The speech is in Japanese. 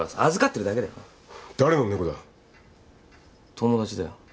友達だよ。